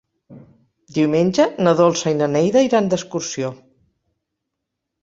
Diumenge na Dolça i na Neida iran d'excursió.